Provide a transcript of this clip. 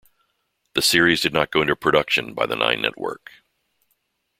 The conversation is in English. The series did not go into production by the Nine Network.